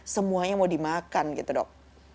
semuanya mau dimakan gitu dok